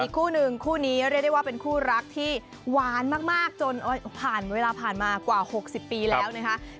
คู่หนึ่งคู่นี้เรียกได้ว่าเป็นคู่รักที่หวานมากจนผ่านเวลาผ่านมากว่า๖๐ปีแล้วนะคะ